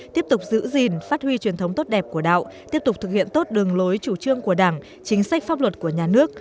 tiếp tục giữ gìn phát huy truyền thống tốt đẹp của đạo tiếp tục thực hiện tốt đường lối chủ trương của đảng chính sách pháp luật của nhà nước